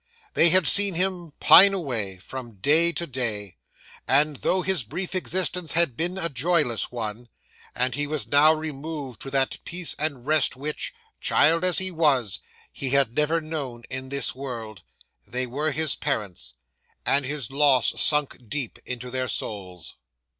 They had seen him pine away, from day to day; and though his brief existence had been a joyless one, and he was now removed to that peace and rest which, child as he was, he had never known in this world, they were his parents, and his loss sank deep into their souls.